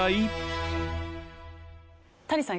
谷さん